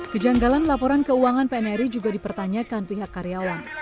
kejanggalan laporan keuangan pnri juga dipertanyakan pihak karyawan